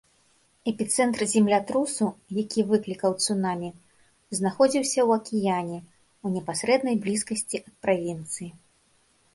Эпіцэнтр землятрусу, які выклікаў цунамі, знаходзіўся ў акіяне ў непасрэднай блізкасці ад правінцыі.